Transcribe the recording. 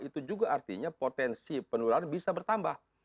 itu juga artinya potensi penularan bisa bertambah